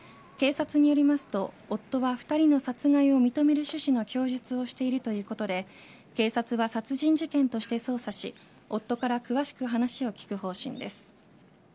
警察によりますと夫は２人の殺害を認める趣旨の供述をしているということで警察は殺人事件として捜査し夫から詳しく話を聞く方針です。